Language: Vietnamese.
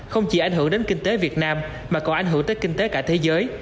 không chỉ ảnh hưởng đến kinh tế việt nam mà còn ảnh hưởng tới kinh tế cả thế giới